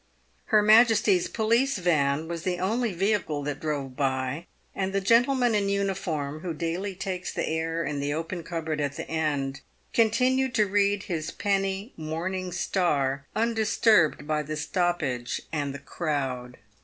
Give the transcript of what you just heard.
Her Majesty's police van was the only vehicle that drove by, and the gentleman in uniform who daily takes the air in the open cup board. at the end, continued to read his penny "Morning £W" undis turbed by the stoppage and the crowd.